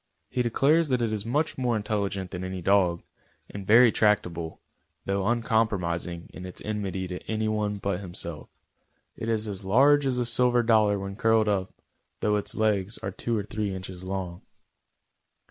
He declares that it is much more intelligent than any dog, and very tractable, though uncompromising in its enmity to any one but himself. It is as large as a silver dollar when curled up, though its legs are two or three inches long.